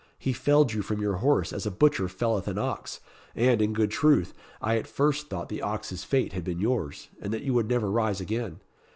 He felled you from your horse as a butcher felleth an ox; and, in good truth, I at first thought the ox's fate had been yours, and that you would never rise again.